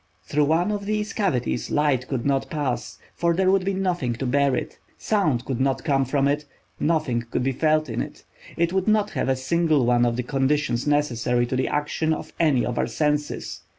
Through one of these cavities light could not pass, for there would be nothing to bear it. Sound could not come from it; nothing could be felt in it. It would not have a single one of the conditions necessary to the action of any of our senses.